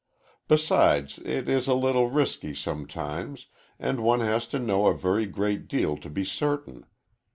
Besides, it is a little risky, sometimes, and one has to know a very great deal to be certain.